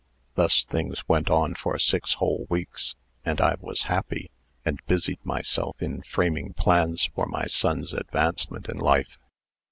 Thus things went on six whole weeks, and I was happy, and busied myself in framing plans for my son's advancement in life.